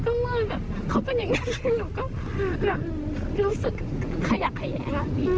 ก็เมื่อเขาเป็นอย่างนั้นหนูก็รู้สึกขยะมากดี